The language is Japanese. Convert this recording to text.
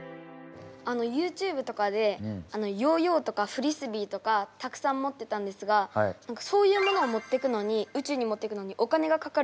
ＹｏｕＴｕｂｅとかでヨーヨーとかフリスビーとかたくさん持ってたんですがそういうものを宇宙に持ってくのにお金がかかると聞いたんですが。